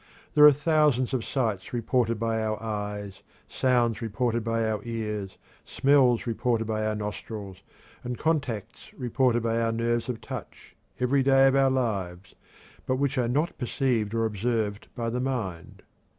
There are thousands of sights reported by our eyes, sounds reported by our ears, smells reported by our nostrils, and contacts reported by our nerves of touch, every day of our lives, but which are not perceived or observed by the mind.